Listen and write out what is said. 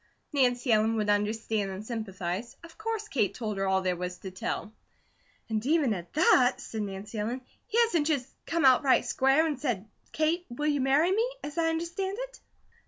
Nancy Ellen would understand and sympathize; of course Kate told her all there was to tell. "And even at that," said Nancy Ellen, "he hasn't just come out right square and said 'Kate, will you marry me?' as I understand it."